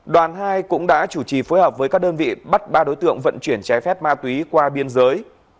đoàn hai cũng đã chủ trì phối hợp với các đơn vị bắt ba đối tượng vận chuyển trái phép ma túy qua biên giới